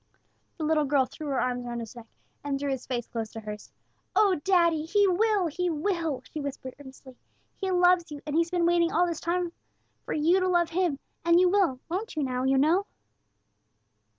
The little girl threw her arms round his neck, and drew his face close to hers. "Oh, daddy, He will! He will!" she whispered, earnestly; "He loves you, and He's been waiting all this long time for you to love Him; and you will, won't you, now, you know?"